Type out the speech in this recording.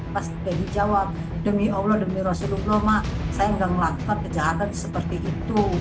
pas pegi jawab demi allah demi rasulullah saya tidak melakukan kejahatan seperti itu